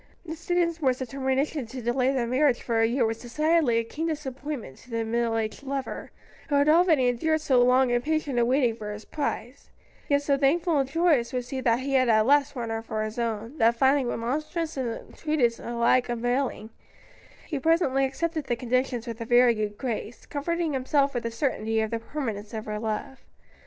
Mr. Dinsmore's determination to delay the marriage for a year was decidedly a keen disappointment to the middle aged lover, who had already endured so long and patient a waiting for his prize; yet so thankful and joyous was he that he had at last won her for his own, that, finding remonstrance and entreaties alike unavailing, he presently accepted the conditions with a very good grace, comforting himself with the certainty of the permanence of her love.